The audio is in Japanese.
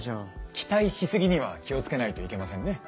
期待し過ぎには気を付けないといけませんね。